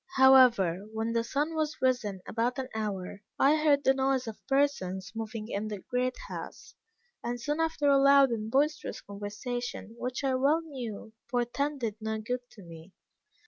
However, when the sun was risen about an hour, I heard the noise of persons moving in the great house, and soon after a loud and boisterous conversation, which I well knew portended no good to me.